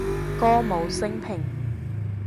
歌舞昇平